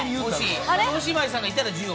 叶姉妹さんがいたら１０億。